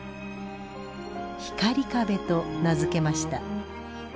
「光壁」と名付けました。